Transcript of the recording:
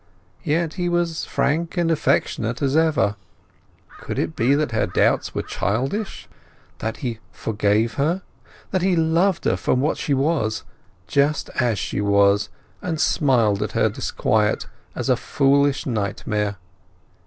Yet he was frank and affectionate as before. Could it be that her doubts were childish? that he forgave her; that he loved her for what she was, just as she was, and smiled at her disquiet as at a foolish nightmare?